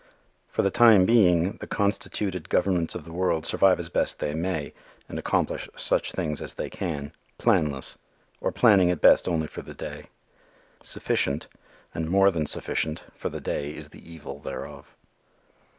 For the time being, the constituted governments of the world survive as best they may and accomplish such things as they can, planless, or planning at best only for the day. Sufficient, and more than sufficient, for the day is the evil thereof.